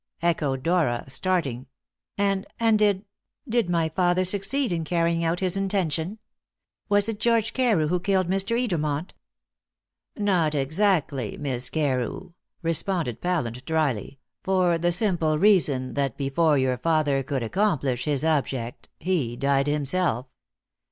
echoed Dora, starting; "and and did did my father succeed in carrying out his intention? Was it George Carew who killed Mr. Edermont?" "Not exactly, Miss Carew," responded Pallant dryly, "for the simple reason that before your father could accomplish his object he died himself."